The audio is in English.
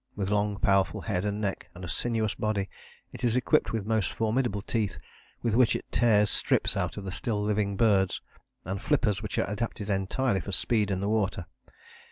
With long powerful head and neck and a sinuous body, it is equipped with most formidable teeth with which it tears strips out of the still living birds, and flippers which are adapted entirely for speed in the water.